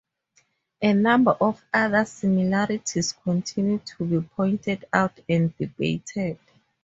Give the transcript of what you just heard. A number of other similarities continue to be pointed out and debated.